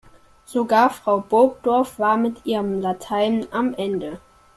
Sogar Frau Burgdorf war mit ihrem Latein am Ende.